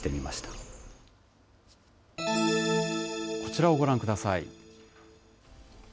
こちらをご覧ください。